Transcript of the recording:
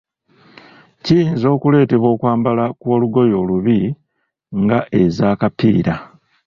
Kiyinza okuleetebwa okwambala kw'olugoye olubi nga ez'akapiira.